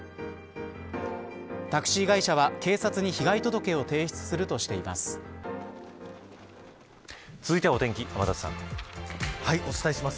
タクシー会社は、警察に被害届を提出するとしています。